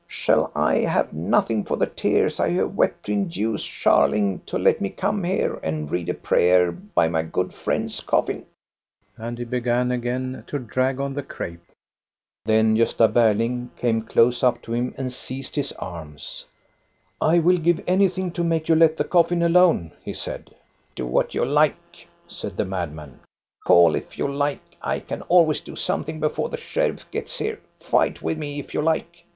Shall I have nothing for the tears I have wept to induce Scharling to let me come here and read a prayer by my good friend's coffin?" And he began again to drag on the crape. Then Gosta Berling came close up to him and seized his arms. 448 THE STORY OF GOSTA BE RUNG I will give anything to make you let the coffin alone/' he said. Do what you like," said the madman. " Call if you like. I can always do something before the sheriff gets here. Fight with me, if you like.